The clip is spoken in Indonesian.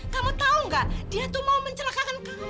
kamu tahu gak dia tuh mau mencerakakan kamu